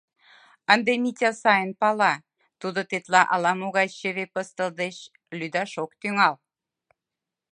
Ынде Митя сайын пала, тудо тетла ала-могай чыве пыстыл деч лӱдаш ок тӱҥал.